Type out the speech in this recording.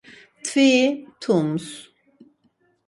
Mtviri mtups.